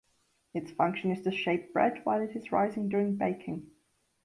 Its function is to shape bread while it is rising during baking.